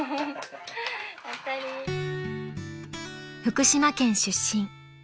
［福島県出身］